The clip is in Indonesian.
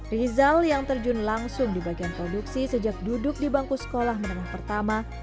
rizal yang terjun langsung di bagian produksi sejak duduk di bangku sekolah menengah pertama